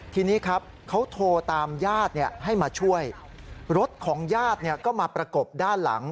ทีนี้ครับเขาโทรตามญาติให้มาช่วยรถของญาติก็มาประกบด้านหลัง